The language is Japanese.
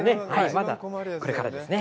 まだこれからですね。